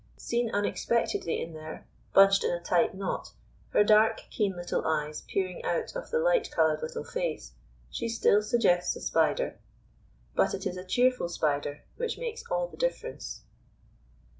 Seen unexpectedly in there, bunched in a tight knot, her dark, keen little eyes peering out of the light coloured little face, she still suggests a spider. But it is a cheerful Spider, which makes all the difference.